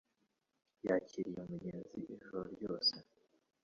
Yakiriye umugenzi ijoro ryose.